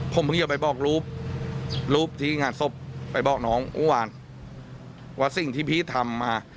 ผมเพิ่งจะไปบอกรูปรูปที่งานศพไปบอกน้องเมื่อวานว่าสิ่งที่พี่ทำมา